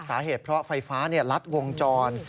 สาเหตุเพราะไฟฟ้ารัดวงจร